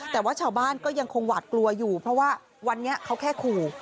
แต่ว่าชาวบ้านก็ยังคงหวาดกลัวอยู่เพราะว่าวันนี้เขาแค่ขู่